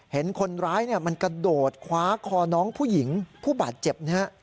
เห็นคนร้ายมันกระโดดคว้าคอน้องผู้หญิงผู้บาดเจ็บนะฮะ